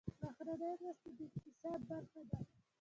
بهرنۍ مرستې د اقتصاد برخه ده